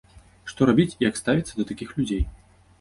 Што рабіць і як ставіцца да такіх людзей?